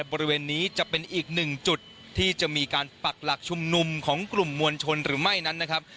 บริเวณนี้จะเป็นอีกหนึ่งจุดที่จะมีการปักหลักชุมนุมของกลุ่มมวลชนหรือไม่นั้นนะครับ